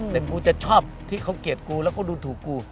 แต่กูจะชอบที่เขาเกลียดกูแล้วก็ดูถูกกู